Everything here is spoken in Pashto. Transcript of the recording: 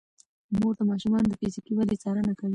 مور د ماشومانو د فزیکي ودې څارنه کوي.